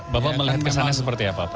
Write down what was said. bapak melihat kesana seperti apa pak